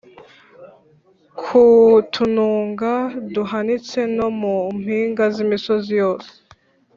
ku tununga duhanitse no mu mpinga z’imisozi yose